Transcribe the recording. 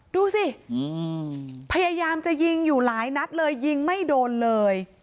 ดูสิพยายามจะยิงอยู่หลายนัดเลยยิงไม่โดนเลย